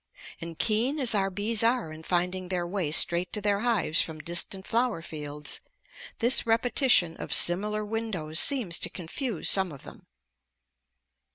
And keen as our bees are in finding their way straight to their hives from distant flower fields, this repetition of similar windows seems to confuse some of them.